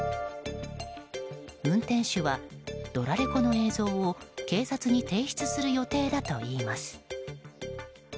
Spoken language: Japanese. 運転手はドラレコの映像を警察に提出する予定だといいます。